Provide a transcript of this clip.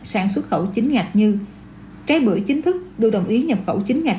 sản xuất khẩu chính ngạch như trái bưởi chính thức được đồng ý nhập khẩu chính ngạch